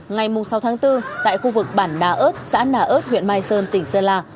ngày sáu tháng bốn tại khu vực bản đà ơt xã nà ơt huyện mai sơn tỉnh sơn la